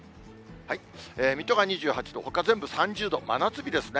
水戸が２８度、ほか全部３０度、真夏日ですね。